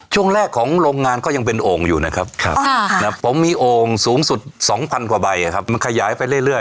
ช่วงแรกของโรงงานก็ยังเป็นโอ่งอยู่นะครับผมมีโอ่งสูงสุด๒๐๐๐กว่าใบมันขยายไปเรื่อย